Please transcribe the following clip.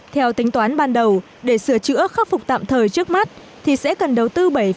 theo tính toán ban đầu để sửa chữa khắc phục tạm thời trước mắt thì sẽ cần đầu tư bảy